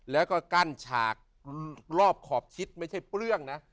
แล้วก็กั้นฉากรอบขอบชิดไม่ใช่เปลื้องนะ